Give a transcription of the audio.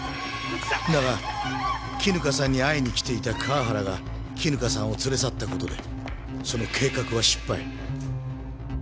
だが絹香さんに会いに来ていた河原が絹香さんを連れ去った事でその計画は失敗。